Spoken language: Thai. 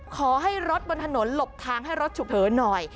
ขอให้รถบนถนนหลบทางให้รถฉุกเฉินหน่อย